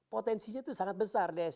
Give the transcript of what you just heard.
potensinya tuh sangat besar